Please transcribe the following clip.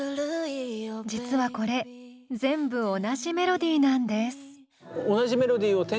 実はこれ全部同じメロディーなんです。